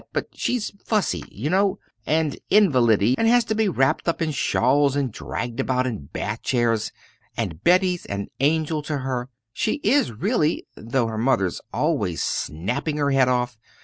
but she's fussy, you know, and invalidy, and has to be wrapped up in shawls, and dragged about in bath chairs, and Betty's an angel to her she is really though her mother's always snapping her head off.